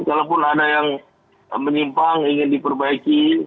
kalaupun ada yang menyimpang ingin diperbaiki